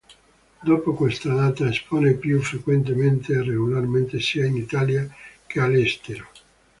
Dopo questa data espone più frequentemente e regolarmente sia in Italia che all'estero.